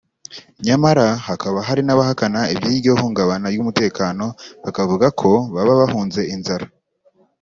nyamara hakaba hari n’abahakana iby’iryo hungabana ry’umutekano bakavuga ko baba bahunze inzara